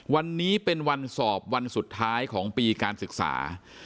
วันนี้เป็นวันสอบวันสุดท้ายของปีการศึกษา